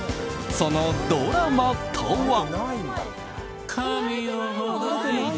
そのドラマとは。